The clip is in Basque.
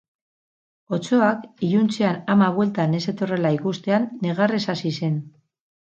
Otsoak, iluntzean ama bueltan ez zetorrela ikustean, negarrez hasi zen.